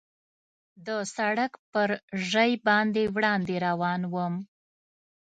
د سړک پر ژۍ باندې وړاندې روان ووم.